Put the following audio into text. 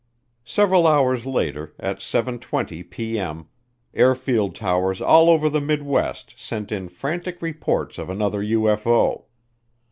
Several hours later, at 7:20P.M., airfield towers all over the Midwest sent in frantic reports of another UFO.